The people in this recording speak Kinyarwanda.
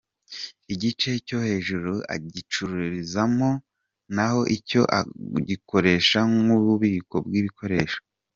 Igice cyo hejuru agicururizamo, naho icyo akagikoresha nk’ububiko bw’ibikoresho.